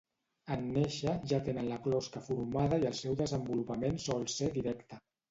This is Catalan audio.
En néixer, ja tenen la closca formada i el seu desenvolupament sol ser directe.